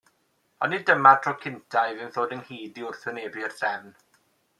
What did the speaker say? Ond nid dyma'r tro cyntaf iddynt ddod ynghyd i wrthwynebu'r drefn.